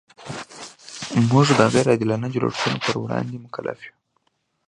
موږ د غیر عادلانه جوړښتونو پر وړاندې مکلف یو.